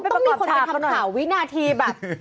ต้องมีคนไปทำข่าววินาทีแบบ